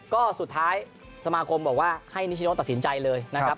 ก็สุดท้ายสมาคมบอกว่าให้นิชโนตัดสินใจเลยนะครับ